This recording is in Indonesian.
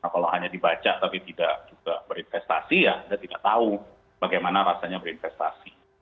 kalau hanya dibaca tapi tidak juga berinvestasi ya kita tidak tahu bagaimana rasanya berinvestasi